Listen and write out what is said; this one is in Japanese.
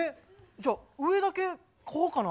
じゃあ上だけ買おうかな。